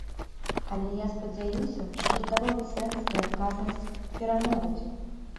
Але я спадзяюся, што здаровы сэнс і адказнасць перамогуць.